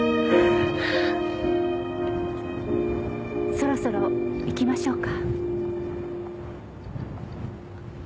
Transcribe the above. そろそろ行きましょうか。